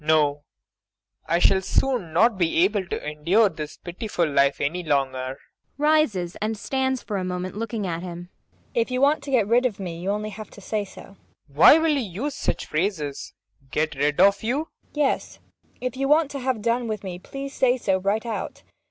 ] No, I shall soon not be able to endure this pitiful life any longer. MAIA. [Rises and stands for a moment looking at him.] If you want to get rid of me, you have only to say so. PROFESSOR RUBEK. Why will you use such phrases? Get rid of you? MAIA. Yes, if you want to have done with me, please say so right out.